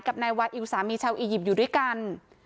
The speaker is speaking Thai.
นายวาอิวสามีชาวอียิปต์อยู่ด้วยกัน